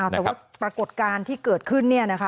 แต่ว่าปรากฏการณ์ที่เกิดขึ้น